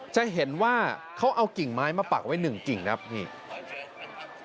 จะเห็นว่าเขาเอากิ่งไม้มาปักไว้หนึ่งกิ่งครับนี่